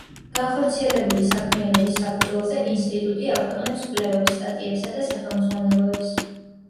განხორციელებული საქმიანობის საფუძველზე ინსტიტუტი აქვეყნებს კვლევებს, სტატიებსა და სახელმძღვანელოებს.